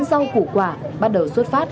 rau củ quả bắt đầu xuất phát